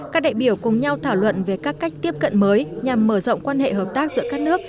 các đại biểu cùng nhau thảo luận về các cách tiếp cận mới nhằm mở rộng quan hệ hợp tác giữa các nước